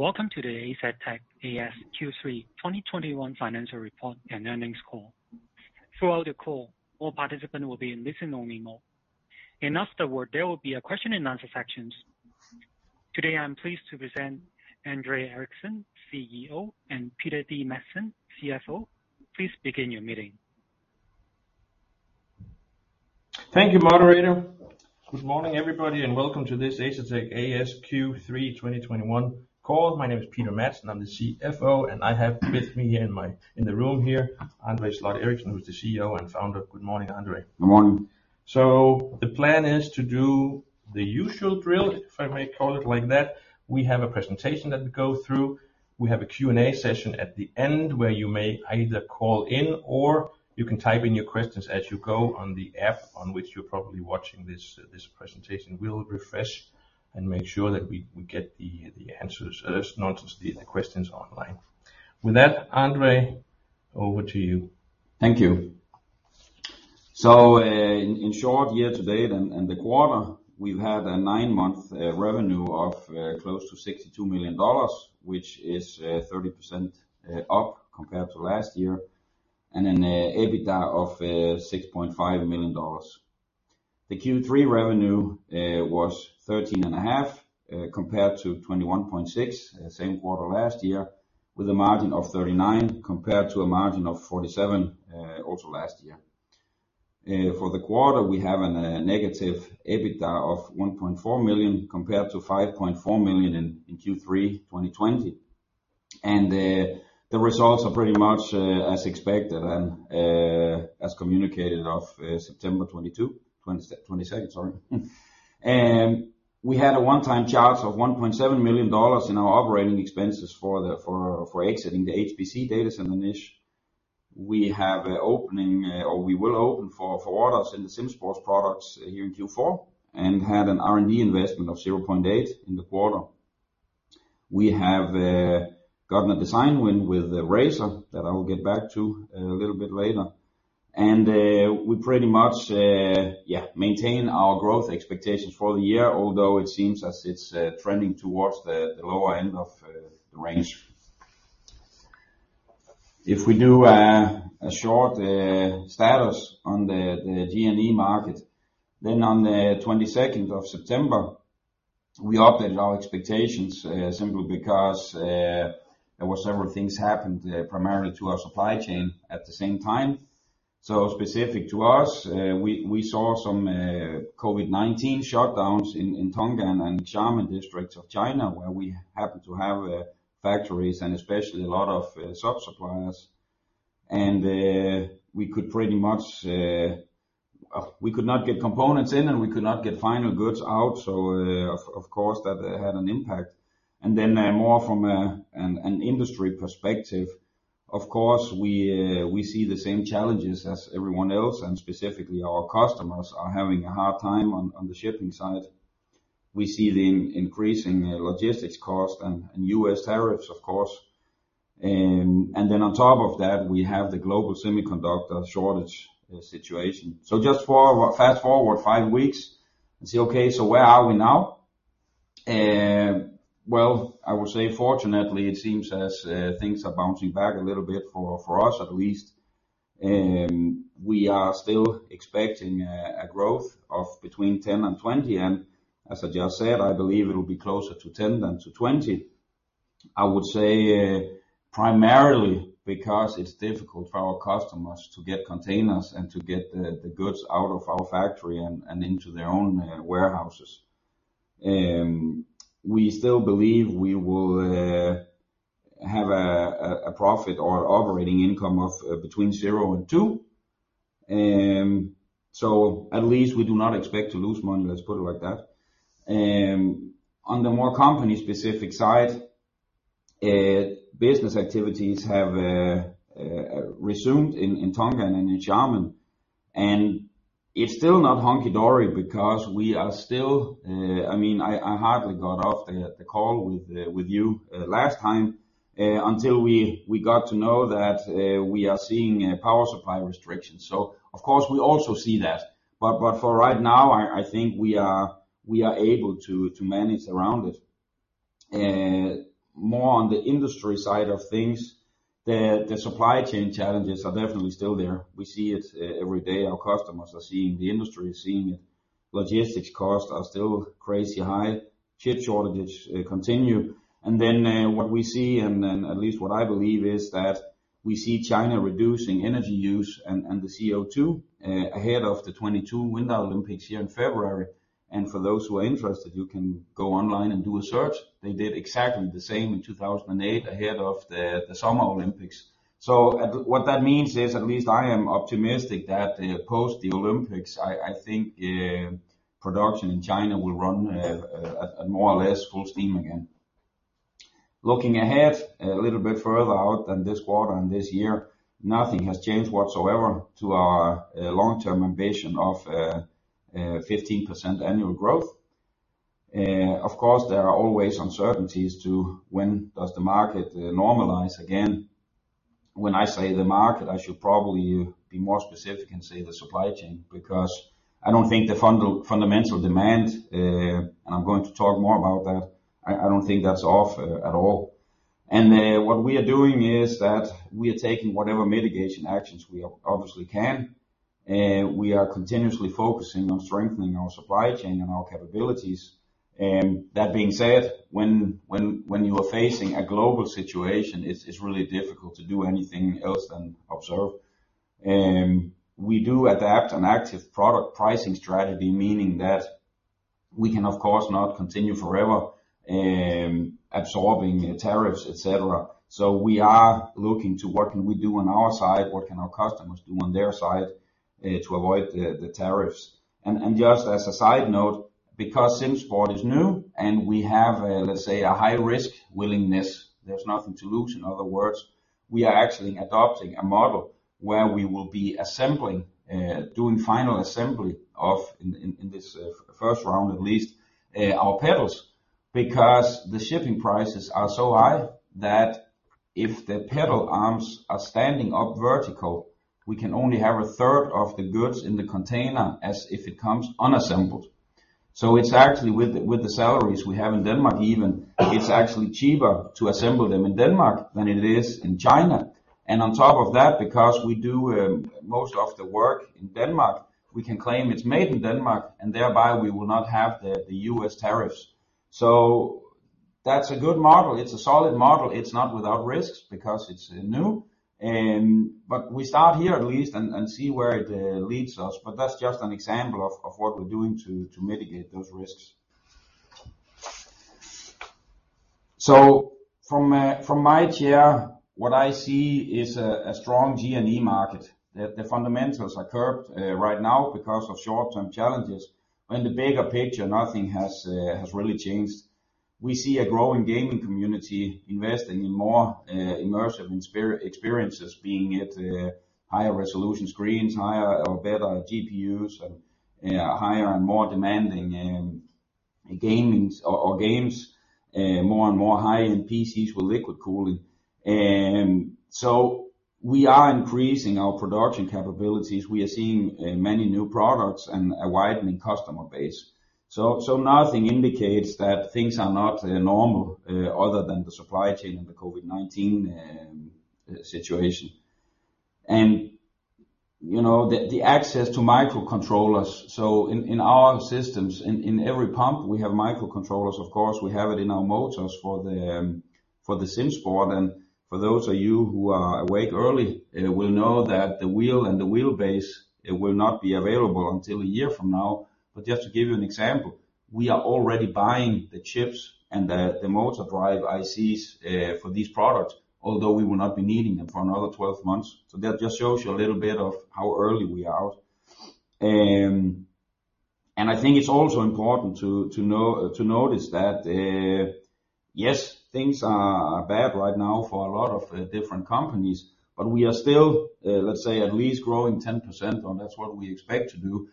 Welcome to the Asetek A/S Q3 2021 financial report and earnings call. Throughout the call, all participants will be in listen-only mode. Afterward, there will be a and answer session. Today, I'm pleased to present André Sloth Eriksen, CEO, and Peter Dam Madsen, CFO. Please begin your meeting. Thank you, moderator. Good morning, everybody, and welcome to this Asetek A/S Q3 2021 call. My name is Peter Dam Madsen. I'm the CFO, and I have with me here in the room here, André Sloth Eriksen, who's the CEO and founder. Good morning, André. Good morning. The plan is to do the usual drill, if I may call it like that. We have a presentation that we go through. We have a Q&A session at the end where you may either call in, or you can type in your questions as you go on the app on which you're probably watching this presentation. We'll refresh and make sure that we get the answers, not just the questions online. With that, André, over to you. Thank you. In short, year to date and the quarter, we've had a nine-month revenue of close to $62 million, which is 30% up compared to last year, and then a EBITDA of $6.5 million. The Q3 revenue was $13.5 million compared to $21.6 million same quarter last year, with a margin of 39% compared to a margin of 47% also last year. For the quarter, we have a negative EBITDA of $1.4 million compared to $5.4 million in Q3 2020. The results are pretty much as expected and as communicated of September 22, 2021. We had a one-time charge of $1.7 million in our operating expenses for exiting the HPC data center niche. We have an opening, or we will open for orders in the SimSports products here in Q4 and had an R&D investment of $0.8 million in the quarter. We have gotten a design win with Razer that I will get back to a little bit later. We pretty much maintain our growth expectations for the year, although it seems as it's trending towards the lower end of the range. If we do a short status on the G&E market, then on the 22nd September, we updated our expectations simply because there were several things happened primarily to our supply chain at the same time. Specific to us, we saw some COVID-19 shutdowns in Tonghua and Xiamen districts of China, where we happen to have factories and especially a lot of sub-suppliers. We could not get components in, and we could not get final goods out. Of course, that had an impact. More from an industry perspective, of course, we see the same challenges as everyone else, and specifically our customers are having a hard time on the shipping side. We see the increasing logistics cost and U.S. tariffs, of course. On top of that, we have the global semiconductor shortage situation. Fast-forward 5 weeks and say, okay, so where are we now? Well, I would say fortunately, it seems as things are bouncing back a little bit for us at least. We are still expecting a growth of between 10% and 20%. As I just said, I believe it'll be closer to 10% than to 20%. I would say primarily because it's difficult for our customers to get containers and to get the goods out of our factory and into their own warehouses. We still believe we will have a profit or operating income of between $0 and $2. At least we do not expect to lose money. Let's put it like that. On the more company-specific side, business activities have resumed in Tonghua and in Xiamen. It's still not hunky dory because we are still. I mean, I hardly got off the call with you last time until we got to know that we are seeing power supply restrictions. Of course, we also see that for right now, I think we are able to manage around it. More on the industry side of things, the supply chain challenges are definitely still there. We see it every day. Our customers are seeing it. The industry is seeing it. Logistics costs are still crazy high. Chip shortages continue. What we see, at least what I believe, is that we see China reducing energy use and the CO2 ahead of the 2022 Winter Olympics here in February. For those who are interested, you can go online and do a search. They did exactly the same in 2008 ahead of the Summer Olympics. What that means is, at least I am optimistic that post the Olympics, production in China will run at more or less full steam again. Looking ahead a little bit further out than this quarter and this year, nothing has changed whatsoever to our long-term ambition of 15% annual growth. Of course, there are always uncertainties to when does the market normalize again. When I say the market, I should probably be more specific and say the supply chain, because I don't think the fundamental demand and I'm going to talk more about that, I don't think that's off at all. What we are doing is that we are taking whatever mitigation actions we obviously can. We are continuously focusing on strengthening our supply chain and our capabilities. That being said, when you are facing a global situation, it's really difficult to do anything else than observe. We do adapt an active product pricing strategy, meaning that we can, of course, not continue forever absorbing the tariffs, et cetera. We are looking to what can we do on our side, what can our customers do on their side, to avoid the tariffs. Just as a side note, because SimSports is new and we have, let's say, a high risk willingness, there's nothing to lose. In other words, we are actually adopting a model where we will be assembling, doing final assembly of, in this first round at least, our pedals, because the shipping prices are so high that if the pedal arms are standing up vertical, we can only have a third of the goods in the container as if it comes unassembled. It's actually with the salaries we have in Denmark even, it's actually cheaper to assemble them in Denmark than it is in China. On top of that, because we do most of the work in Denmark, we can claim it's made in Denmark, and thereby we will not have the U.S. tariffs. That's a good model. It's a solid model. It's not without risks because it's new, but we start here at least and see where it leads us, but that's just an example of what we're doing to mitigate those risks. From my chair, what I see is a strong G&E market. The fundamentals are curbed right now because of short-term challenges. In the bigger picture, nothing has really changed. We see a growing gaming community investing in more immersive experiences, be it higher resolution screens, higher or better GPUs, and higher and more demanding gaming or games, more and more high-end PCs with liquid cooling. We are increasing our production capabilities. We are seeing many new products and a widening customer base. Nothing indicates that things are not normal, other than the supply chain and the COVID-19 situation. You know, the access to microcontrollers, so in our systems, in every pump, we have microcontrollers, of course, we have it in our motors for the SimSports, and for those of you who are awake early, will know that the wheel and the wheelbase, it will not be available until a year from now. Just to give you an example, we are already buying the chips and the motor drive ICs for these products, although we will not be needing them for another 12 months. That just shows you a little bit of how early we are. I think it's also important to notice that, yes, things are bad right now for a lot of different companies, but at least growing 10%, or that's what we expect to do,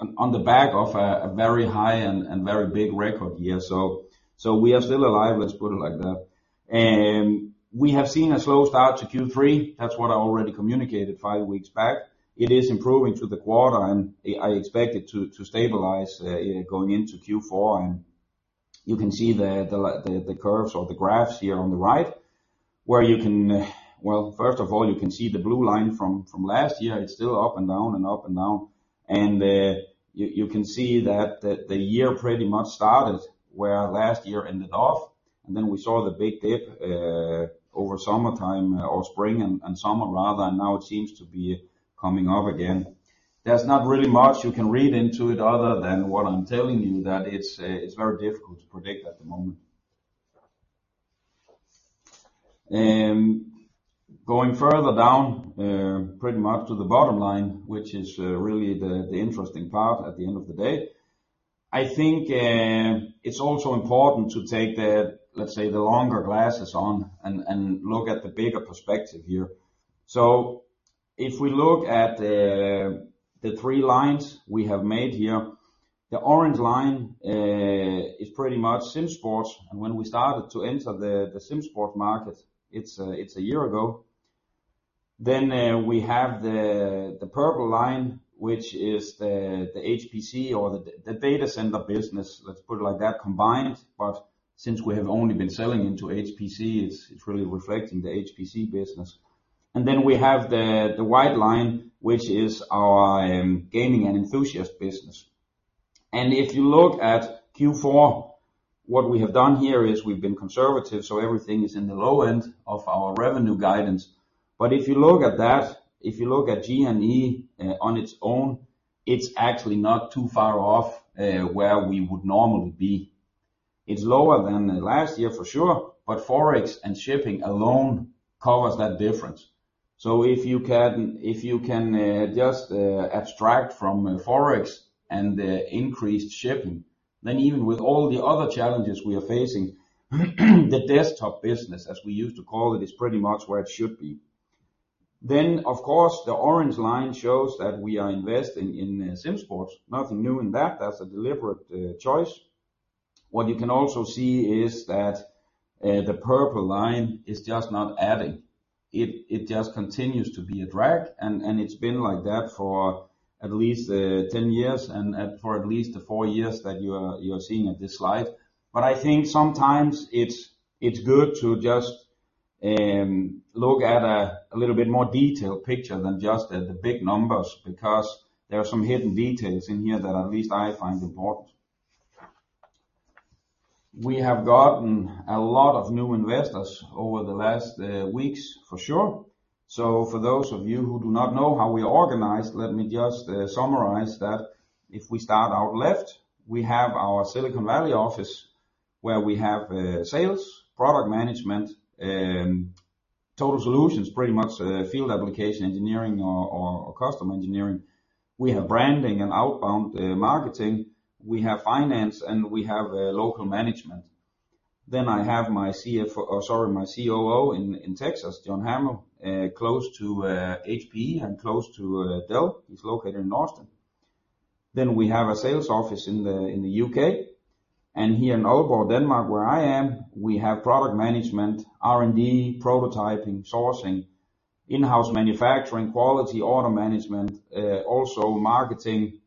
so on the back of a very high and very big record year. We are still alive, let's put it like that. We have seen a slow start to Q3. That's what I already communicated five weeks back. It is improving through the quarter, and I expect it to stabilize going into Q4. You can see the curves or the graphs here on the right, where you can, well, first of all, you can see the blue line from last year. It's still up and down and up and down. You can see that the year pretty much started where last year ended off. Then we saw the big dip over summertime or spring and summer rather, and now it seems to be coming up again. There's not really much you can read into it other than what I'm telling you that it's very difficult to predict at the moment. Going further down, pretty much to the bottom line, which is really the interesting part at the end of the day. I think it's also important to take the, let's say, the longer glasses on and look at the bigger perspective here. If we look at the three lines we have made here, the orange line is pretty much SimSports. When we started to enter the SimSports market, it's a year ago. We have the purple line, which is the HPC or the data center business, let's put it like that, combined. Since we have only been selling into HPC, it's really reflecting the HPC business. We have the white line, which is our gaming and enthusiast business. If you look at Q4, what we have done here is we've been conservative, so everything is in the low end of our revenue guidance. If you look at that, if you look at G&E on its own, it's actually not too far off where we would normally be. It's lower than last year for sure, but Forex and shipping alone covers that difference. If you can just abstract from Forex and the increased shipping, then even with all the other challenges we are facing, the desktop business, as we used to call it, is pretty much where it should be. Then of course, the orange line shows that we are investing in SimSports. Nothing new in that's a deliberate choice. What you can also see is that the purple line is just not adding. It just continues to be a drag, and it's been like that for at least 10 years and for at least the 4 years that you are seeing at this slide. Sometimes it's good to just look at a little bit more detailed picture than just at the big numbers, because there are some hidden details in here that at least I find important. We have gotten a lot of new investors over the last weeks, for sure. For those of you who do not know how we are organized, let me just summarize that. If we start out left, we have our Silicon Valley office, where we have sales, product management, total solutions, pretty much, field application engineering or customer engineering. We have branding and outbound marketing. We have finance, and we have local management. Then I have my COO in Texas, John Hamill, close to HP and close to Dell. He's located in Austin. We have a sales office in the U.K., and here in Aalborg, Denmark, where we have product management, R&D, prototyping, sourcing, in-house manufacturing, quality, order management, also marketing,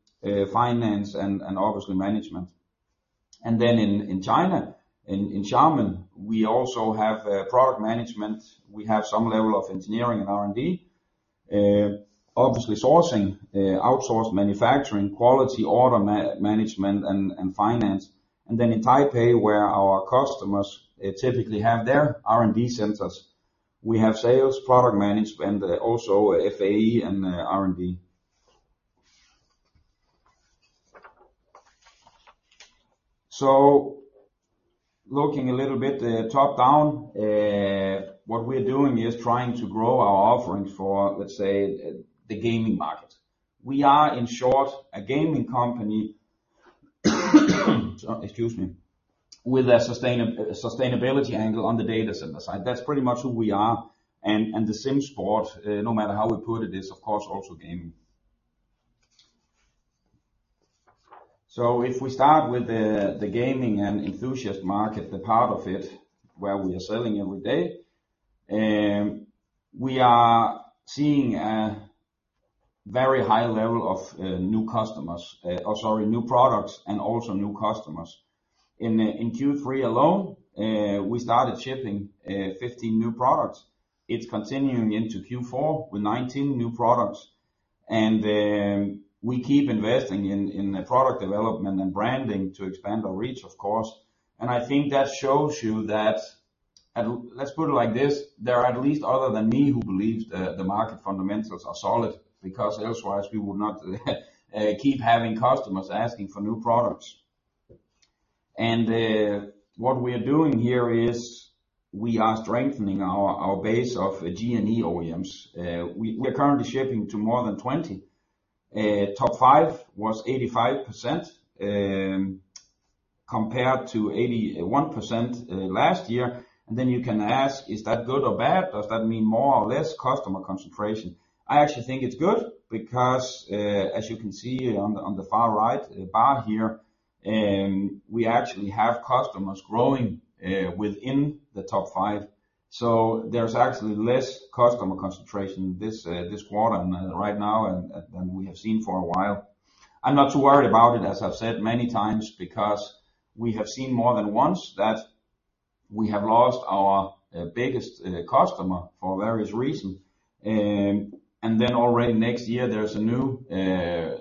finance and obviously management. In China, in Xiamen, we also have product management. We have some level of engineering and R&D, obviously sourcing, outsourced manufacturing, quality, order management and finance. In Taipei, where our customers typically have their R&D centers, we have sales, product management, also FAE and R&D. Looking a little bit top-down, what we're doing is trying to grow our offerings for, let's say, the gaming market. We are, in short, a gaming company with a sustainability angle on the data center side. That's pretty much who we are and the SimSports, no matter how we put it, is of course also gaming. If we start with the gaming and enthusiast market, the part of it where we are selling every day, we are seeing a very high level of new customers, or sorry, new products and also new customers. In Q3 alone, we started shipping 15 new products. It's continuing into Q4 with 19 new products. We keep investing in product development and branding to expand our reach, of course. I think that shows you that. Let's put it like this, there are at least other than me who believes the market fundamentals are solid because otherwise we would not keep having customers asking for new products. What we are doing here is we are strengthening our base of G&E OEMs. We're currently shipping to more than 20. Top five was 85%, compared to 81% last year. Then you can ask, is that good or bad? Does that mean more or less customer concentration? I actually think it's good because, as you can see on the far right bar here, we actually have customers growing within the top five, so there's actually less customer concentration this quarter right now than we have seen for a while. I'm not too worried about it, as I've said many times, because we have seen more than once that we have lost our biggest customer for various reasons. Already next year, there's a new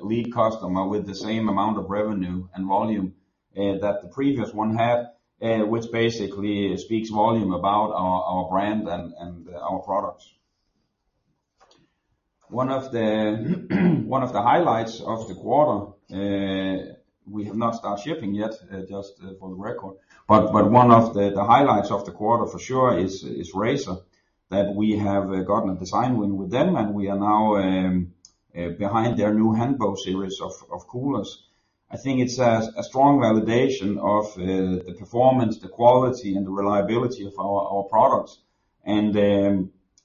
lead customer with the same amount of revenue and volume that the previous one had, which basically speaks volume about our brand and our products. One of the highlights of the quarter, we have not started shipping yet, just for the record, but one of the highlights of the quarter for sure is Razer that we have gotten a design win with them, and we are now behind their new Hanbo series of coolers. I think it's a strong validation of the performance, the quality and the reliability of our products.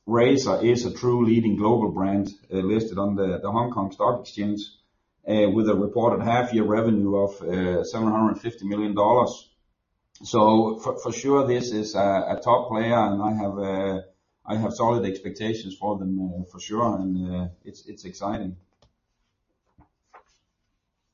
Razer is a true leading global brand, listed on the Hong Kong Stock Exchange, with a reported half-year revenue of $750 million. For sure, this is a top player, and I have solid expectations for them, for sure, and it's exciting.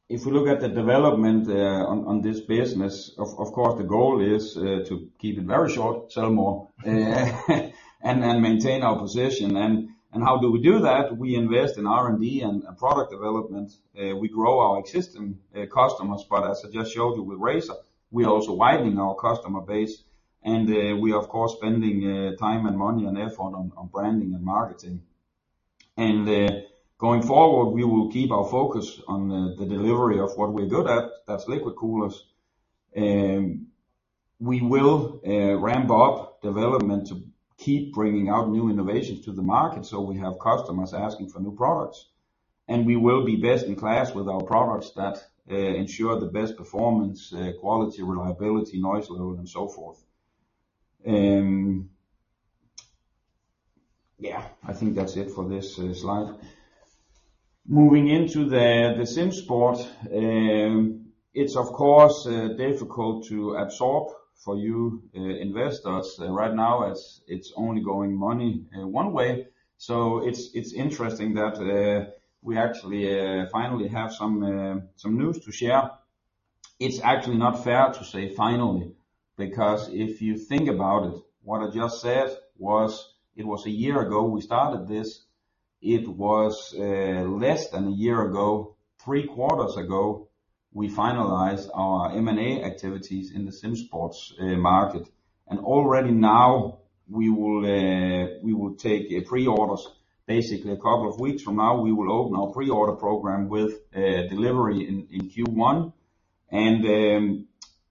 If we look at the development on this business, of course, the goal is to keep it very short, sell more, and maintain our position. How do we do that? We invest in R&D and product development. We grow our existing customers, but as I just showed you with Razer, we are also widening our customer base. We are of course spending time and money and effort on branding and marketing. Going forward, we will keep our focus on the delivery of what we're good at. That's liquid coolers. We will ramp up development to keep bringing out new innovations to the market, so we have customers asking for new products. We will be best in class with our products that ensure the best performance, quality, reliability, noise level, and so forth. Yeah, that's it for this slide. Moving into the SimSports. It's of course difficult to absorb for you investors right now as it's only going money one way. It's interesting that we actually finally have some news to share. It's actually not fair to say finally, because if you think about it, what I just said was, it was a year ago we started this. It was less than a year ago, three quarters ago, we finalized our M&A activities in the SimSports market. Already now we will take pre-orders. Basically a couple of weeks from now, we will open our pre-order program with delivery in Q1.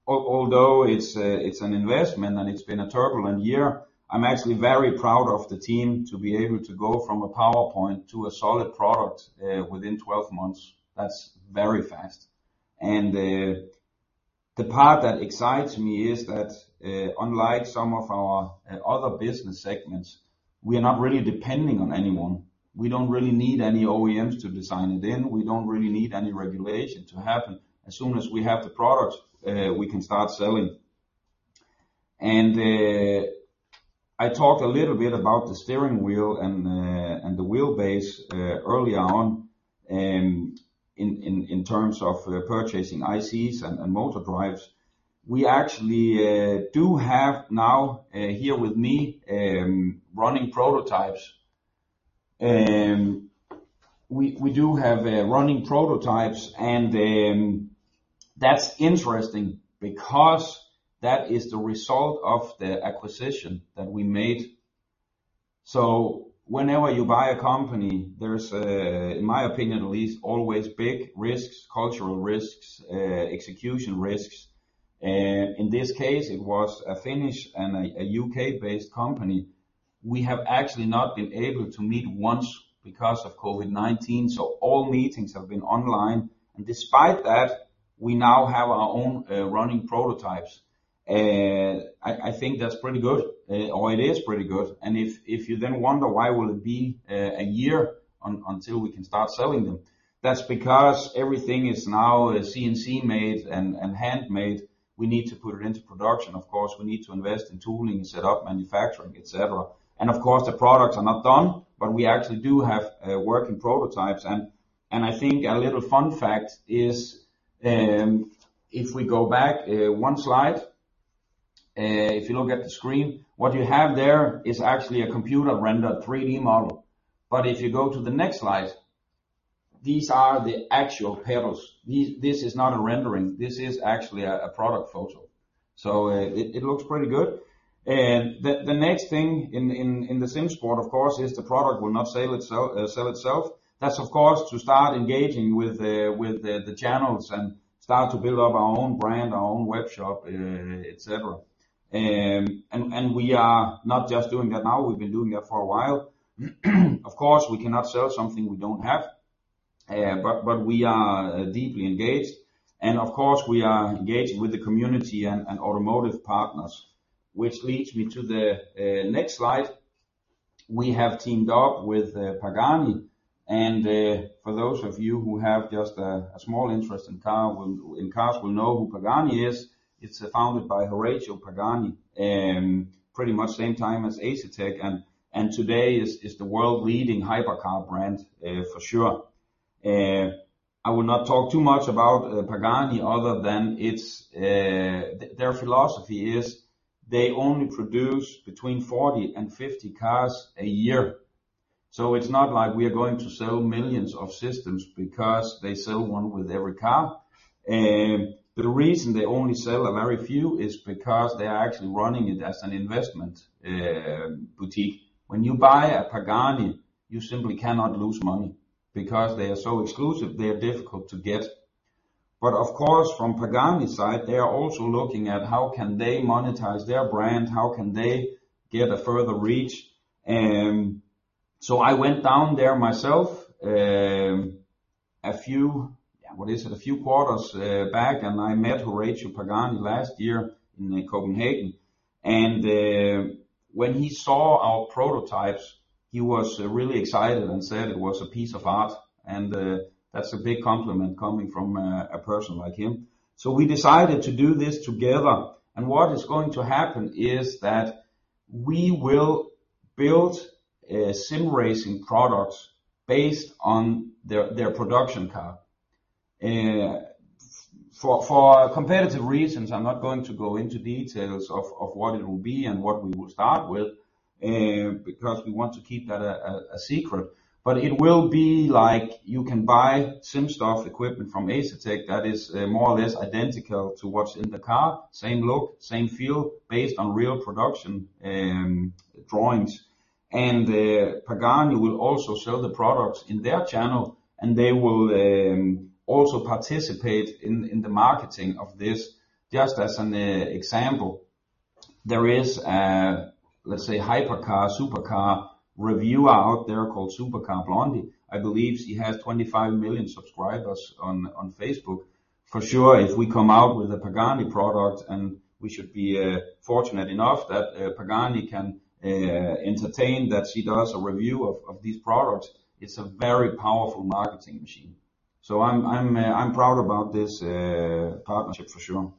Although it's an investment and it's been a turbulent year, I'm actually very proud of the team to be able to go from a PowerPoint to a solid product within 12 months. That's very fast. The part that excites me is that, unlike some of our other business segments, we are not really depending on anyone. We don't really need any OEMs to design it in. We don't really need any regulation to happen. As soon as we have the product, we can start selling. I talked a little bit about the steering wheel and the wheel base earlier on in terms of purchasing ICs and motor drives. We actually do have now here with me running prototypes. We do have running prototypes and that's interesting because that is the result of the acquisition that we made. Whenever you buy a company, there's a, in my opinion at least, always big risks, cultural risks, execution risks. In this case it was a Finnish and a U.K.-based company. We have actually not been able to meet once because of COVID-19, so all meetings have been online. Despite that, we now have our own running prototypes. I think that's pretty good or it is pretty good. If you then wonder why it will be a year until we can start selling them, that's because everything is now CNC made and handmade. We need to put it into production. Of course, we need to invest in tooling, set up manufacturing, et cetera. Of course, the products are not done, but we actually do have working prototypes. A little fun fact is, if we go back one slide, if you look at the screen, what you have there is actually a computer-rendered 3D model. But if you go to the next slide, these are the actual pedals. This is not a rendering. This is actually a product photo. It looks pretty good. The next thing in the SimSports, of course, is the product will not sell itself. That's of course to start engaging with the channels and start to build up our own brand, our own web shop, et cetera. We are not just doing that now, we've been doing that for a while. Of course, we cannot sell something we don't have, but we are deeply engaged. Of course, we are engaging with the community and automotive partners, which leads me to the next slide. We have teamed up with Pagani, and for those of you who have just a small interest in cars will know who Pagani is. It's founded by Horacio Pagani, pretty much same time as Asetek, and today is the world-leading hypercar brand, for sure. I will not talk too much about Pagani other than its. Their philosophy is they only produce between 40 and 50 cars a year. It's not like we are going to sell millions of systems because they sell one with every car. The reason they only sell a very few is because they are actually running it as an investment boutique. When you buy a Pagani, you simply cannot lose money because they are so exclusive, they're difficult to get. Of course, from Pagani's side, they are also looking at how can they monetize their brand? How can they get a further reach? I went down there myself a few quarters back and I met Horacio Pagani last year in Copenhagen. When he saw our prototypes, he was really excited and said it was a piece of art. That's a big compliment coming from a person like him. We decided to do this together. What is going to happen is that we will build sim racing products based on their production car. For competitive reasons, I'm not going to go into details of what it will be and what we will start with, because we want to keep that a secret. It will be like you can buy sim stuff equipment from Asetek that is more or less identical to what's in the car. Same look, same feel, based on real production drawings. Pagani will also sell the products in their channel, and they will also participate in the marketing of this. Just as an example, there is a, let's say, hypercar, supercar reviewer out there called Supercar Blondie. I believe she has 25 million subscribers on Facebook. For sure, if we come out with a Pagani product, and we should be fortunate enough that Pagani can entertain that she does a review of these products, it's a very powerful marketing machine. I'm proud about this partnership for sure.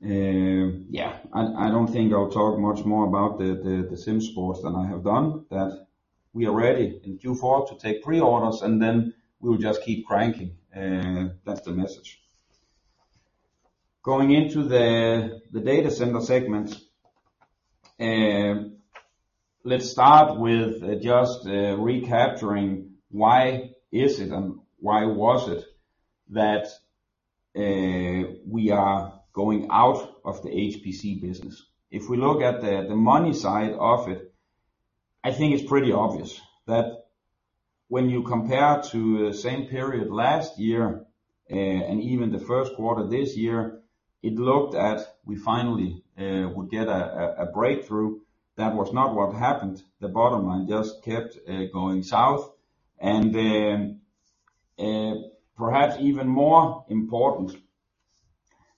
Yeah, I don't think I'll talk much more about the SimSports than I have done. We are ready in Q4 to take pre-orders, and then we'll just keep cranking. That's the message. Going into the data center segment, let's start with just recapping why is it and why was it that we are going out of the HPC business. If we look at the money side of it, I think it's pretty obvious that when you compare to the same period last year and even the first quarter this year, it looked like we finally would get a breakthrough. That was not what happened. The bottom line just kept going south. Perhaps even more important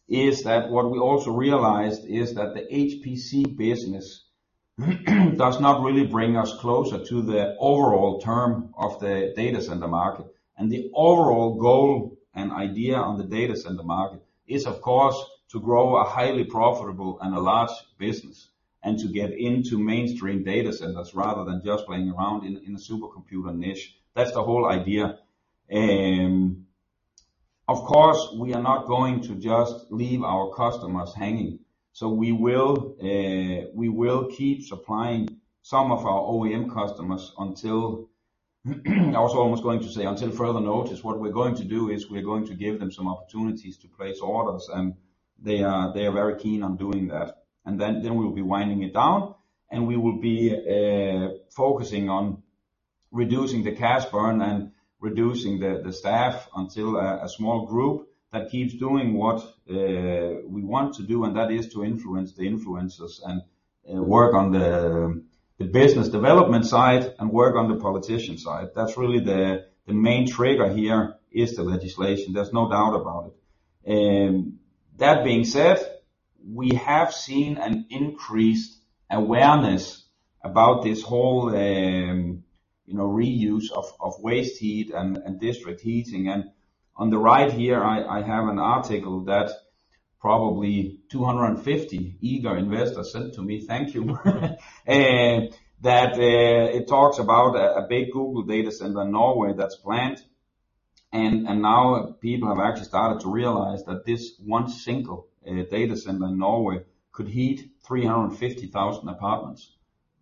is that what we also realized is that the HPC business does not really bring us closer to the overall theme of the data center market. The overall goal and idea on the data center market is, of course, to grow a highly profitable and a large business and to get into mainstream data centers rather than just playing around in a supercomputer niche. That's the whole idea. Of course, we are not going to just leave our customers hanging, so we will keep supplying some of our OEM customers until I was almost going to say until further notice. What we're going to do is we're going to give them some opportunities to place orders, and they are very keen on doing that. We'll be winding it down, and we will be focusing on reducing the cash burn and reducing the staff until a small group that keeps doing what we want to do, and that is to influence the influencers and work on the business development side and work on the politician side. That's really the main trigger here is the legislation. There's no doubt about it. That being said, we have seen an increased awareness about this whole you know reuse of waste heat and district heating. On the right here, I have an article that probably 250 eager investors sent to me. Thank you. It talks about a big Google data center in Norway that's planned. Now people have actually started to realize that this one single data center in Norway could heat 350,000 apartments.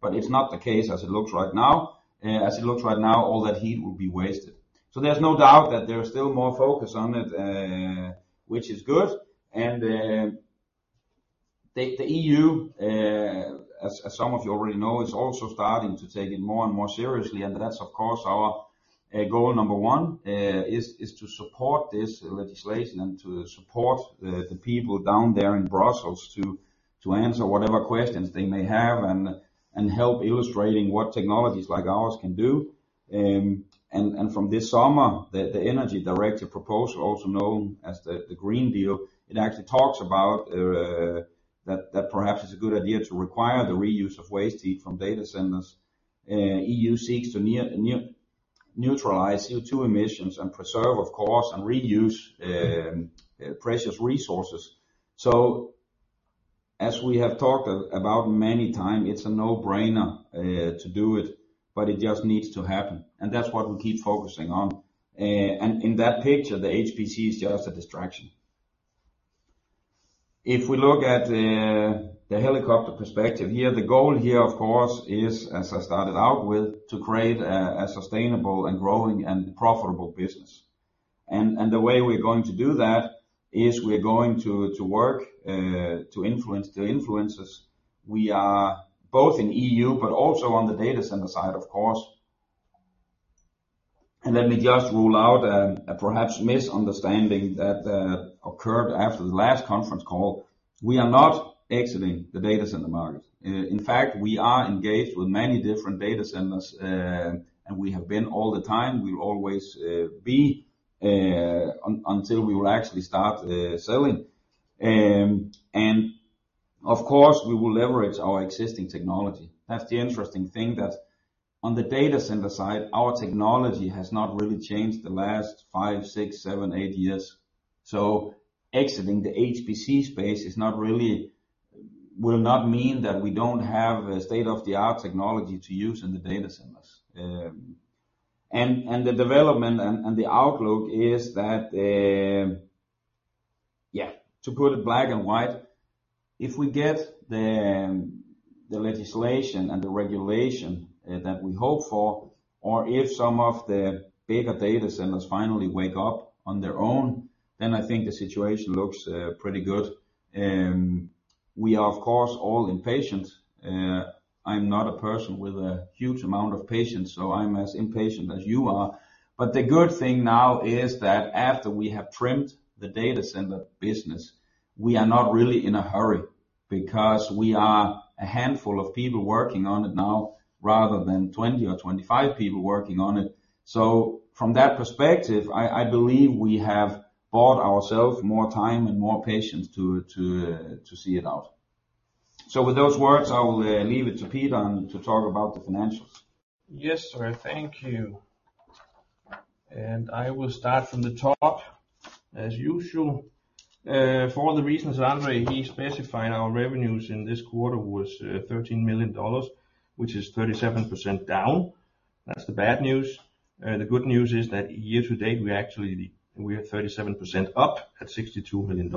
It's not the case as it looks right now. As it looks right now, all that heat would be wasted. There's no doubt that there is still more focus on it, which is good. The EU, as some of you already know, is also starting to take it more and more seriously. That's of course our goal number one is to support this legislation and to support the people down there in Brussels to answer whatever questions they may have and help illustrating what technologies like ours can do. From this summer, the energy directive proposal, also known as the Green Deal, it actually talks about that perhaps it's a good idea to require the reuse of waste heat from data centers. EU seeks to neutralize CO2 emissions and preserve, of course, and reuse precious resources. As we have talked about many times, it's a no-brainer to do it, but it just needs to happen, and that's what we keep focusing on. In that picture, the HPC is just a distraction. If we look at the helicopter perspective here, the goal here, of course, is, as I started out with, to create a sustainable and growing and profitable business. The way we're going to do that is we're going to work to influence the influencers. We are both in EU but also on the data center side, of course. Let me just rule out a perhaps misunderstanding that occurred after the last conference call. We are not exiting the data center market. In fact, we are engaged with many different data centers, and we have been all the time. We'll always be until we will actually start selling. Of course, we will leverage our existing technology. That's the interesting thing that on the data center side, our technology has not really changed the last five, six, seven, eight years. Exiting the HPC space will not mean that we don't have a state-of-the-art technology to use in the data centers. The development and the outlook is that, yeah, to put it black and white, if we get the legislation and the regulation that we hope for or if some of the bigger data centers finally wake up on their own, then I think the situation looks pretty good. We are of course all impatient. I'm not a person with a huge amount of patience, so I'm as impatient as you are. The good thing now is that after we have trimmed the data center business, we are not really in a hurry because we are a handful of people working on it now rather than 20 or 25 people working on it. From that perspective, I believe we have bought ourselves more time and more patience to see it out. With those words, I will leave it to Peter to talk about the financials. Yes, sir. Thank you. I will start from the top as usual. For the reasons André specified, our revenues in this quarter was $13 million, which is 37% down. That's the bad news. The good news is that year to date, we are 37% up at $62 million.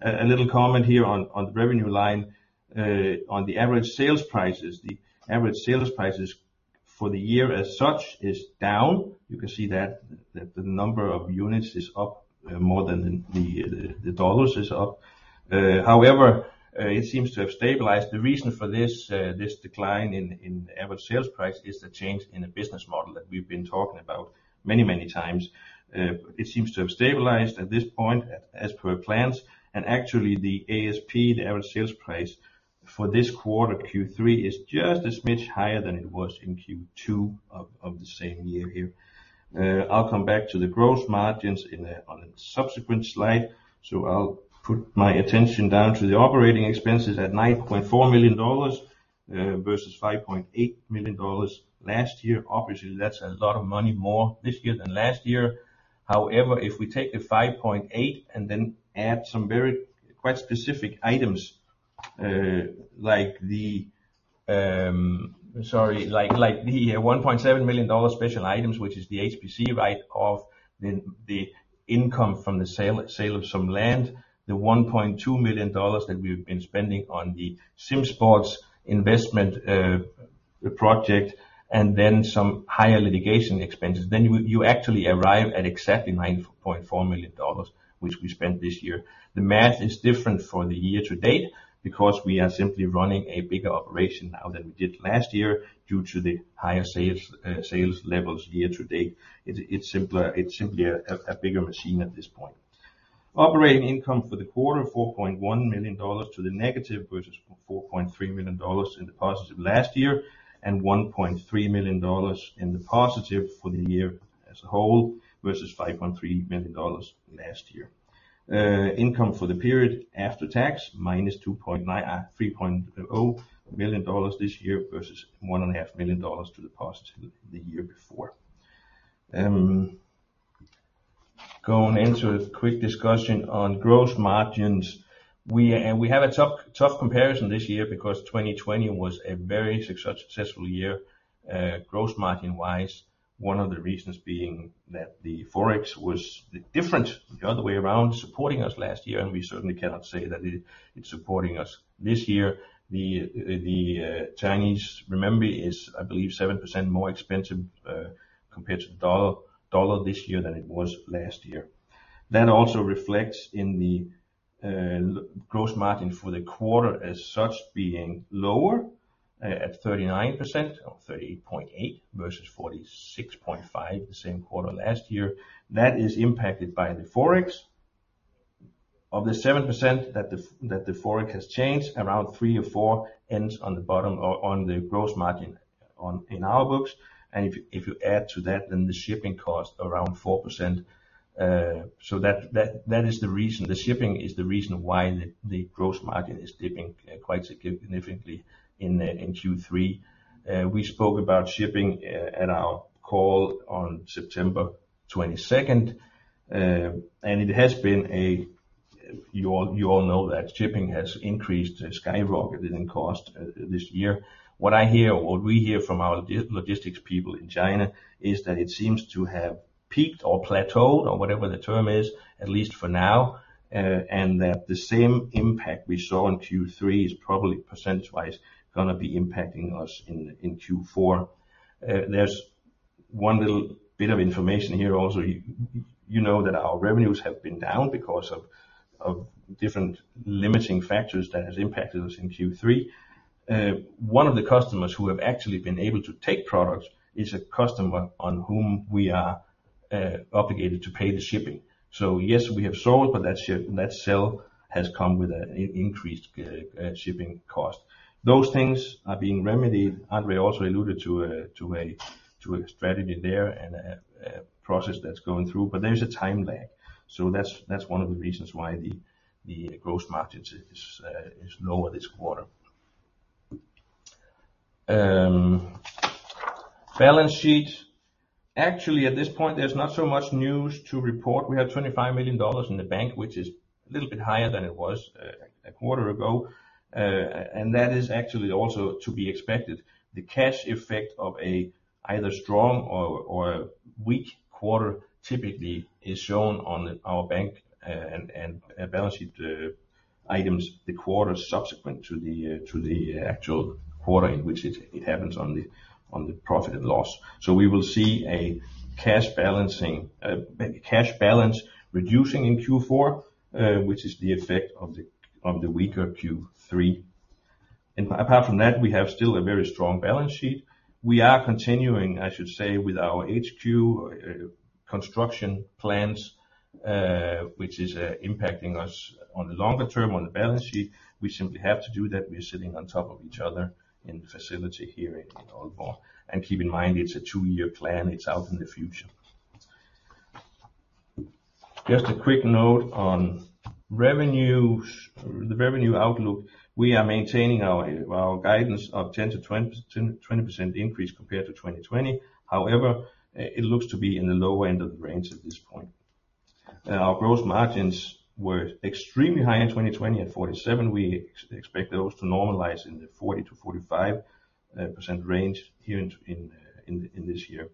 A little comment here on the revenue line on the average sales prices. The average sales prices for the year as such is down. You can see that the number of units is up more than the dollars is up. However, it seems to have stabilized. The reason for this decline in average sales price is the change in the business model that we've been talking about many times. It seems to have stabilized at this point as per plans. Actually the ASP, the average sales price for this quarter, Q3, is just a smidge higher than it was in Q2 of the same year here. I'll come back to the gross margins on a subsequent slide. I'll put my attention down to the operating expenses at $9.4 million versus $5.8 million last year. Obviously, that's a lot of money more this year than last year. However, if we take the $5.8 and then add some very quite specific items, like the Sorry, like the $1.7 million special items, which is the HPC write-off, the income from the sale of some land, the $1.2 million that we've been spending on the SimSports investment project, and then some higher litigation expenses, then you actually arrive at exactly $9.4 million, which we spent this year. The math is different for the year to date because we are simply running a bigger operation now than we did last year due to the higher sales levels year to date. It's simpler. It's simply a bigger machine at this point. Operating income for the quarter, -$4.1 million versus $4.3 million last year, and $1.3 million for the year as a whole versus $5.3 million last year. Income for the period after tax, -$3.0 million this year versus $1.5 million the year before. Going into a quick discussion on gross margins. We have a tough comparison this year because 2020 was a very successful year, gross margin-wise. One of the reasons being that the Forex was different the other way around supporting us last year, and we certainly cannot say that it's supporting us this year. The Chinese renminbi is, I believe, 7% more expensive compared to the dollar this year than it was last year. That also reflects in the gross margin for the quarter as such being lower at 39% or 38.8 versus 46.5 the same quarter last year. That is impacted by the Forex. Of the 7% that the Forex has changed, around 3 or 4 ends up on the bottom line or on the gross margin in our books. If you add to that, the shipping costs around 4%. That is the reason. The shipping is the reason why the gross margin is dipping quite significantly in Q3. We spoke about shipping at our call on September 22nd. It has been a... You all know that shipping has increased, skyrocketed in cost this year. What I hear or what we hear from our logistics people in China is that it seems to have peaked or plateaued or whatever the term is, at least for now, and that the same impact we saw in Q3 is probably percentage-wise gonna be impacting us in Q4. There's one little bit of information here also. You know that our revenues have been down because of different limiting factors that has impacted us in Q3. One of the customers who have actually been able to take products is a customer on whom we are obligated to pay the shipping. So yes, we have sold, but that sell has come with an increased shipping cost. Those things are being remedied. André also alluded to a strategy there and a process that's going through. There's a time lag. That's one of the reasons why the gross margin is lower this quarter. Balance sheet. Actually, at this point, there's not so much news to report. We have $25 million in the bank, which is a little bit higher than it was a quarter ago. And that is actually also to be expected. The cash effect of either strong or weak quarter typically is shown on our bank and balance sheet items the quarter subsequent to the actual quarter in which it happens on the profit and loss. We will see a cash balance reducing in Q4, which is the effect of the weaker Q3. Apart from that, we have still a very strong balance sheet. We are continuing, I should say, with our HQ construction plans, which is impacting us on the longer term on the balance sheet. We simply have to do that. We're sitting on top of each other in the facility here in Aalborg. Keep in mind, it's a two-year plan. It's out in the future. Just a quick note on revenue. The revenue outlook, we are maintaining our guidance of 10%-20% increase compared to 2020. However, it looks to be in the lower end of the range at this point. Our gross margins were extremely high in 2020 at 47%. We expect those to normalize in the 40%-45% range here in this year.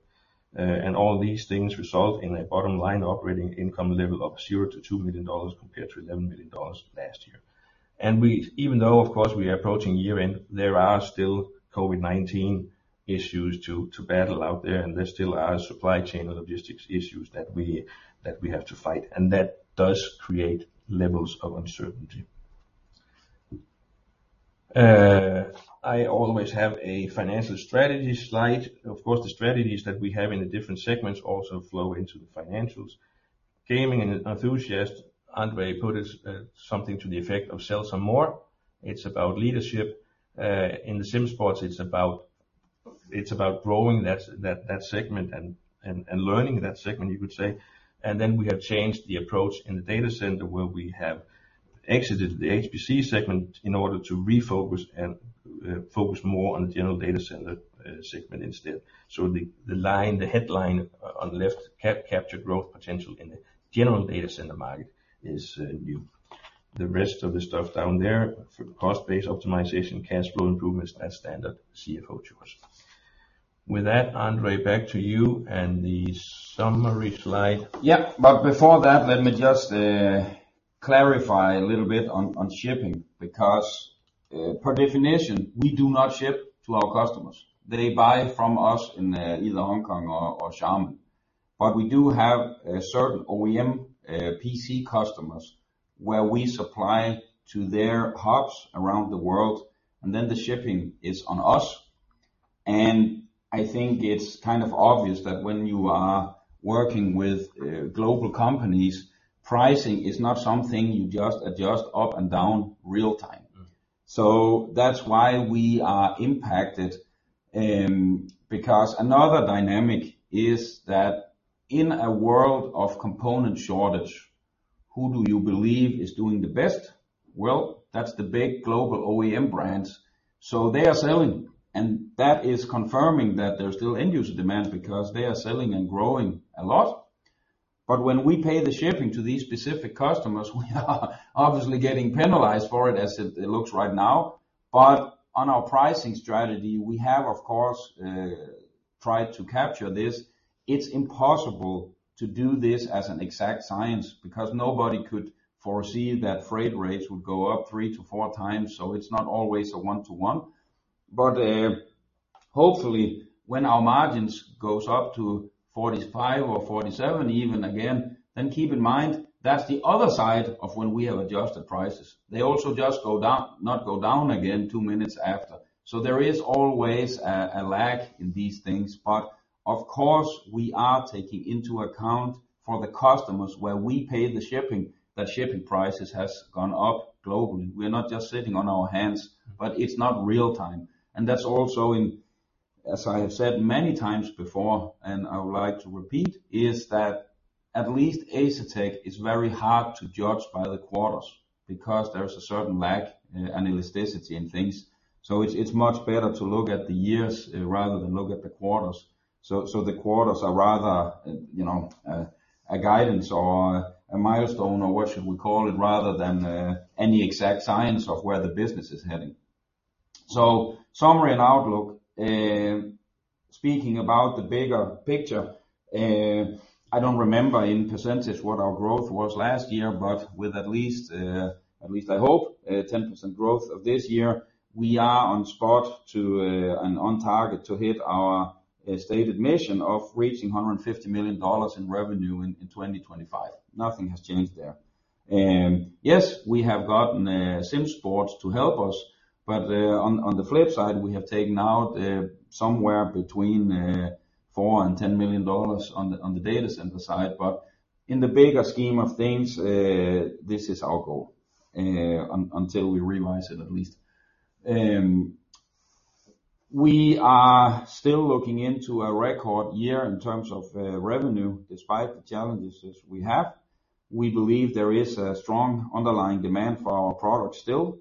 All these things result in a bottom line operating income level of $0-$2 million compared to $11 million last year. Even though, of course, we are approaching year-end, there are still COVID-19 issues to battle out there, and there still are supply chain logistics issues that we have to fight. That does create levels of uncertainty. I always have a financial strategy slide. Of course, the strategies that we have in the different segments also flow into the financials. Gaming & Enthusiast, André put it something to the effect of sell some more. It's about leadership. In the SimSports, it's about growing that segment and learning that segment, you could say. Then we have changed the approach in the data center where we have exited the HPC segment in order to refocus and focus more on the general data center segment instead. The headline on the left, capture growth potential in the general data center market, is new. The rest of the stuff down there, cost base optimization, cash flow improvements, that's standard CFO chores. With that, André, back to you and the summary slide. Yeah. Before that, let me just clarify a little bit on shipping, because per definition, we do not ship to our customers. They buy from us in either Hong Kong or Xiamen. We do have certain OEM PC customers where we supply to their hubs around the world, and then the shipping is on us. It's kind of obvious that when you are working with global companies, pricing is not something you just adjust up and down real time. Mm-hmm. That's why we are impacted, because another dynamic is that in a world of component shortage, who do you believe is doing the best? Well, that's the big global OEM brands. They are selling, and that is confirming that there's still end user demands because they are selling and growing a lot. When we pay the shipping to these specific customers, we are obviously getting penalized for it as it looks right now. On our pricing strategy, we have, of course, tried to capture this. It's impossible to do this as an exact science because nobody could foresee that freight rates would go up three to four times, so it's not always a one-to-one. Hopefully, when our margins goes up to 45% or 47% even again, then keep in mind that's the other side of when we have adjusted prices. They also just go down, not go down again two minutes after. There is always a lag in these things. Of course, we are taking into account for the customers where we pay the shipping, that shipping prices has gone up globally. We're not just sitting on our hands. Mm-hmm. It's not real time. That's also in, as I have said many times before, and I would like to repeat, is that at least Asetek is very hard to judge by the quarters because there's a certain lag and elasticity in things. It's much better to look at the years rather than look at the quarters. The quarters are rather a guidance or a milestone or what should we call it, rather than any exact science of where the business is heading. Summary and outlook. Speaking about the bigger picture, I don't remember in percentage what our growth was last year, but with at least I hope 10% growth of this year, we are on track to and on target to hit our stated mission of reaching $150 million in revenue in 2025. Nothing has changed there. Yes, we have gotten SimSports to help us, but on the flip side, we have taken out somewhere between $4 million and $10 million on the data center side. In the bigger scheme of things, this is our goal until we realize it at least. We are still looking into a record year in terms of revenue despite the challenges as we have. We believe there is a strong underlying demand for our products still.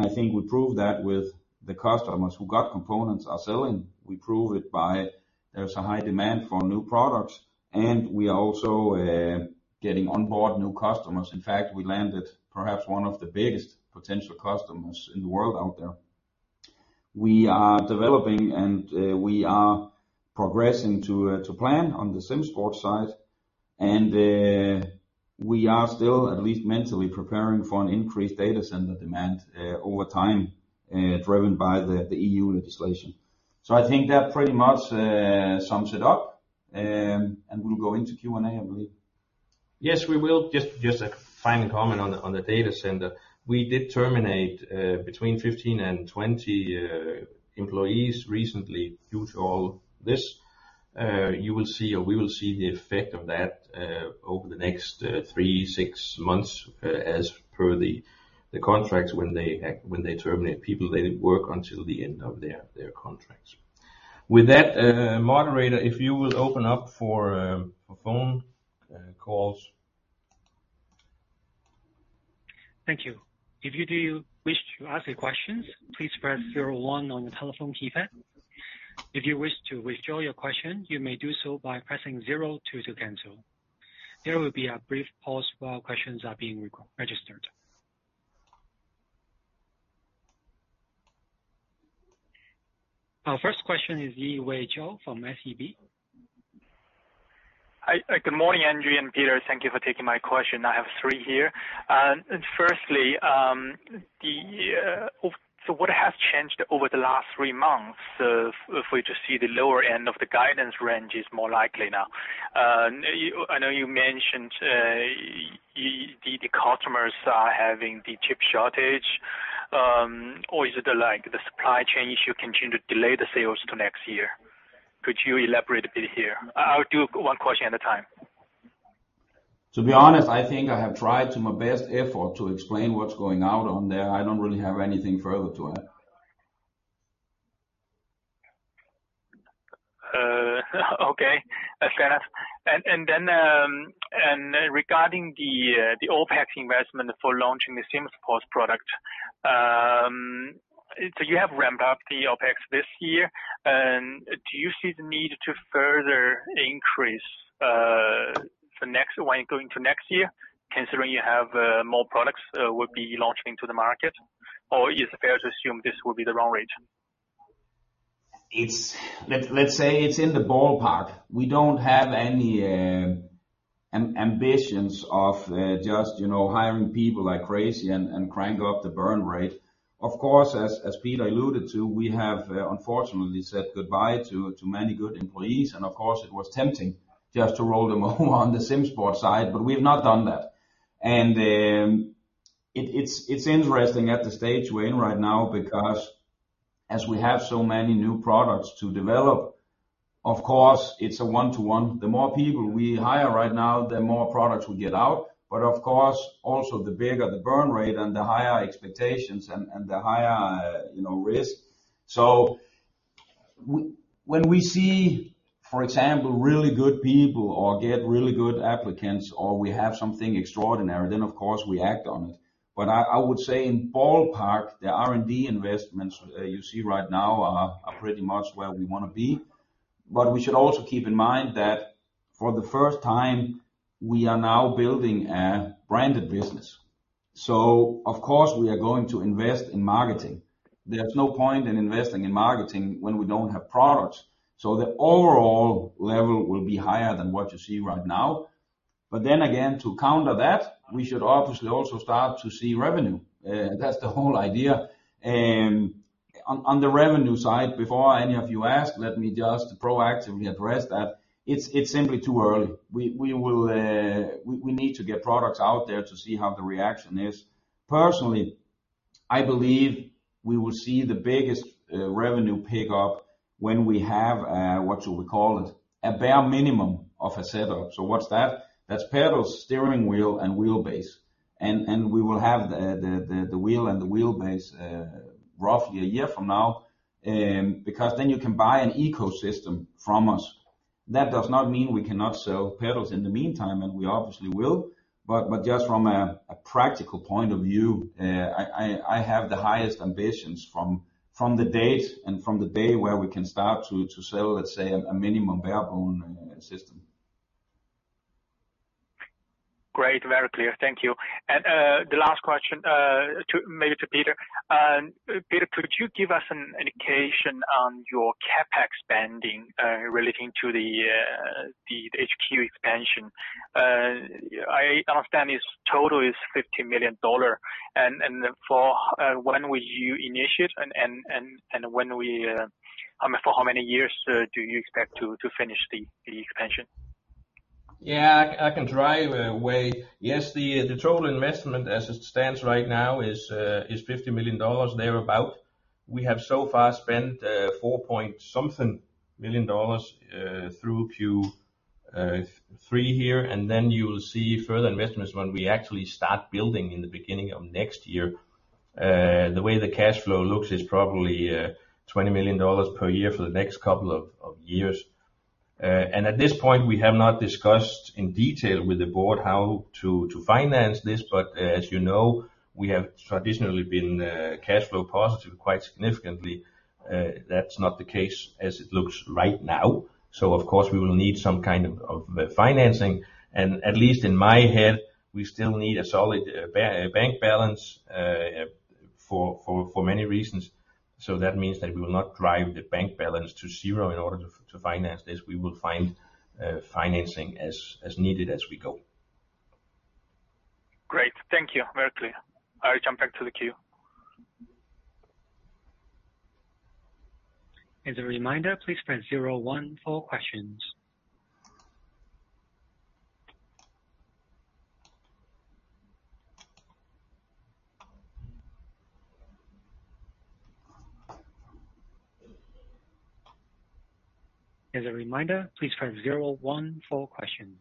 I think we prove that with the customers who got components are selling. We prove it by there's a high demand for new products, and we are also getting on board new customers. In fact, we landed perhaps one of the biggest potential customers in the world out there. We are developing and we are progressing to plan on the SimSports side. We are still at least mentally preparing for an increased data center demand over time driven by the EU legislation. I think that pretty much sums it up. We'll go into Q&A, I believe. Yes, we will. Just a final comment on the data center. We did terminate between 15-20 employees recently due to all this. You will see or we will see the effect of that over the next 3-6 months as per the contracts, when they terminate people, they work until the end of their contracts. With that, moderator, if you will open up for phone calls. Our first question is Yiwei Zhou from SEB. Hi. Good morning, André and Peter. Thank you for taking my question. I have three here. What has changed over the last three months, if we just see the lower end of the guidance range is more likely now? I know you mentioned the customers are having the chip shortage, or is it like the supply chain issue continue to delay the sales to next year? Could you elaborate a bit here? I'll do one question at a time. To be honest, I think I have tried to my best effort to explain what's going on out there. I don't really have anything further to add. Okay. Fair enough. Regarding the OpEx investment for launching the SimSports product, you have ramped up the OpEx this year. Do you see the need to further increase for next year, when going to next year, considering you have more products will be launching to the market? Is it fair to assume this will be the run rate? Let's say it's in the ballpark. We don't have any ambitions of just hiring people like crazy and crank up the burn rate. Of course, as Peter alluded to, we have unfortunately said goodbye to many good employees. Of course, it was tempting just to roll them over on the SimSports side, but we've not done that. It's interesting at the stage we're in right now because as we have so many new products to develop, of course, it's a one-to-one. The more people we hire right now, the more products we get out. Of course, also the bigger the burn rate and the higher expectations and the higher risk. When we see, for example, really good people or get really good applicants or we have something extraordinary, then of course we act on it. I would say in ballpark, the R&D investments you see right now are pretty much where we wanna be. We should also keep in mind that for the first time, we are now building a branded business. Of course, we are going to invest in marketing. There's no point in investing in marketing when we don't have products. The overall level will be higher than what you see right now. Then again, to counter that, we should obviously also start to see revenue. That's the whole idea. On the revenue side, before any of you ask, let me just proactively address that. It's simply too early. We need to get products out there to see how the reaction is. Personally, I believe we will see the biggest revenue pickup when we have what should we call it? A bare minimum of a setup. What's that? That's pedals, steering wheel, and wheelbase. We will have the wheel and the wheelbase roughly a year from now because then you can buy an ecosystem from us. That does not mean we cannot sell pedals in the meantime, and we obviously will. Just from a practical point of view, I have the highest ambitions from the date and from the day where we can start to sell, let's say, a minimum bare bone system. Great. Very clear. Thank you. The last question, maybe to Peter. Peter, could you give us an indication on your CapEx spending relating to the HQ expansion? I understand its total is $50 million. For when will you initiate and for how many years do you expect to finish the expansion? Yeah, I can drive away. Yes, the total investment as it stands right now is $50 million, thereabout. We have so far spent $4.something million through Q3 here, and then you'll see further investments when we actually start building in the beginning of next year. The way the cash flow looks is probably $20 million per year for the next couple of years. At this point, we have not discussed in detail with the board how to finance this, but as we have traditionally been cash flow positive quite significantly. That's not the case as it looks right now. Of course, we will need some kind of financing. At least in my head, we still need a solid bank balance for many reasons. That means that we will not drive the bank balance to zero in order to finance this. We will find financing as needed as we go. Great. Thank you. Very clear. I'll jump back to the queue. As a reminder, please press zero one for questions. As a reminder, please press zero one for questions.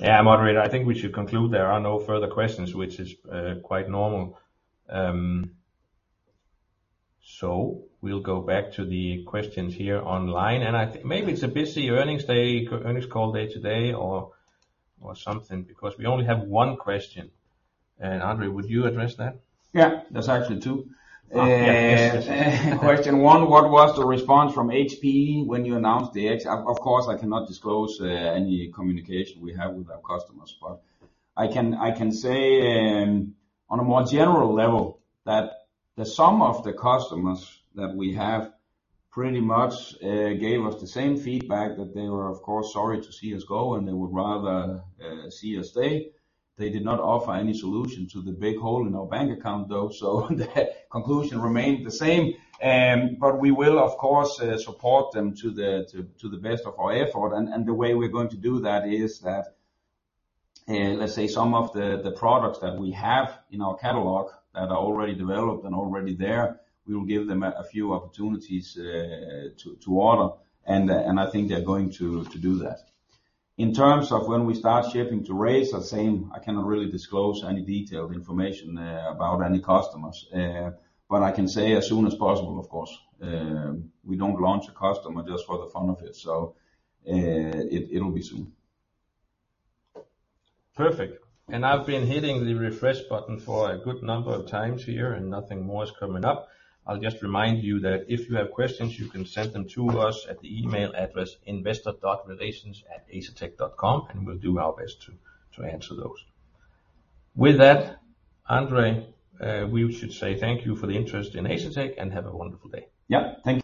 Yeah, moderator, I think we should conclude there are no further questions, which is quite normal. We'll go back to the questions here online, and I think maybe it's a busy earnings day, earnings call day today or something because we only have one question. André, would you address that? Yeah. There's actually two. Oh, yeah. Question one, what was the response from HP when you announced the exit? Of course, I cannot disclose any communication we have with our customers, but I can say on a more general level that some of the customers that we have pretty much gave us the same feedback that they were of course sorry to see us go and they would rather see us stay. They did not offer any solution to the big hole in our bank account though, so the conclusion remained the same. We will of course support them to the best of our effort and the way we're going to do that is that let's say some of the products that we have in our catalog that are already developed and already there. We will give them a few opportunities to order, and I think they're going to do that. In terms of when we start shipping to Razer, the same, I cannot really disclose any detailed information about any customers. I can say as soon as possible, of course. We don't launch a customer just for the fun of it, so it'll be soon. Perfect. I've been hitting the refresh button for a good number of times here and nothing more is coming up. I'll just remind you that if you have questions you can send them to us at the email address investor.relations@asetek.com and we'll do our best to answer those. With that, André, we should say thank you for the interest in Asetek and have a wonderful day. Yep. Thank you.